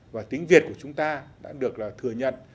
và tiếng việt của chúng ta đã được là thừa nhận